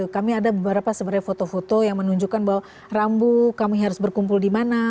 kami ada beberapa sebenarnya foto foto yang menunjukkan bahwa rambu kami harus berkumpul di mana